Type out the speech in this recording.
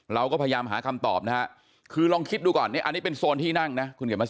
เราก็พยายามหาคำตอบคือลองคิดดูก่อนอันนี้เป็นโซนที่นั่งนะ